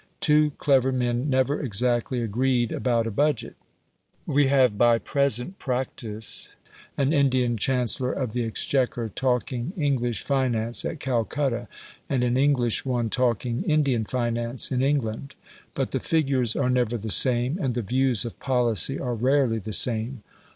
Two clever men never exactly agreed about a budget. We have by present practice an Indian Chancellor of the Exchequer talking English finance at Calcutta, and an English one talking Indian finance in England. But the figures are never the same, and the views of policy are rarely the same.